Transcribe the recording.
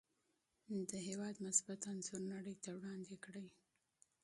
د هېواد مثبت انځور نړۍ ته وړاندې کړئ.